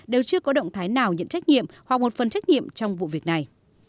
đều chưa có động thái nào nhận trách nhiệm hoặc một phần trách nhiệm trong vụ việc này